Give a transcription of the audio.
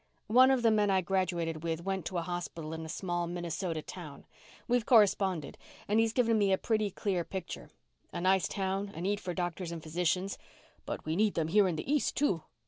"One of the men I graduated with went to a hospital in a small Minnesota town. We've corresponded and he's given me a pretty clear picture a nice town, a need for doctors and physicians " "But we need them here in the East, too."